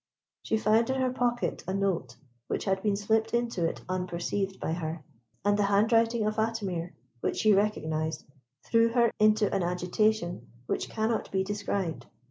She found in her pocket a note, which had been slipped into it unperceived by her, and the handwriting of Atimir, which she recognised, threw her into an agitation which cannot be described.